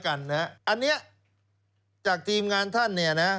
อันนี้จากทีมงานท่าน